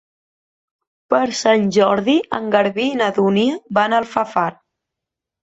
Per Sant Jordi en Garbí i na Dúnia van a Alfafar.